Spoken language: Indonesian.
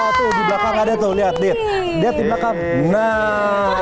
iya tuh di belakang ada tuh lihat lihat di belakang